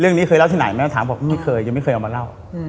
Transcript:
เคยเล่าที่ไหนแม่ถามบอกไม่เคยยังไม่เคยเอามาเล่า